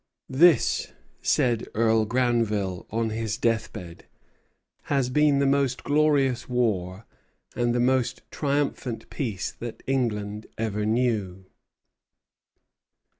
"This," said Earl Granville on his deathbed, "has been the most glorious war and the most triumphant peace that England ever knew."